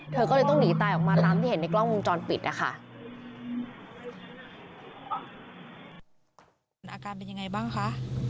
เธอก็เลยต้องหนีตายออกมาตามที่เห็นในกล้องวงจรปิดนะคะ